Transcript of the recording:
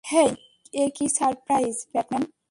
হেই, এ কী সারপ্রাইজ, ব্যাটমান!